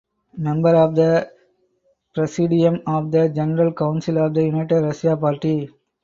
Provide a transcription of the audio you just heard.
Member of the Presidium of the General Council of the United Russia Party.